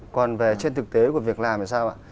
còn về trên thực tế của việc làm thì sao ạ